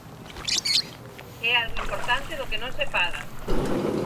É algo importante do que non se fala.